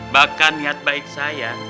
bahkan niat baik saya